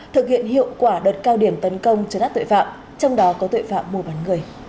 thực hiện hiệu quả đợt cao điểm tấn công cho đắt tội phạm trong đó có tội phạm mua bán người